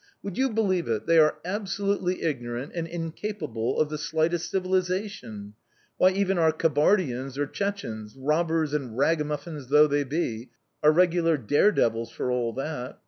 "Would you believe it, they are absolutely ignorant and incapable of the slightest civilisation! Why even our Kabardians or Chechenes, robbers and ragamuffins though they be, are regular dare devils for all that.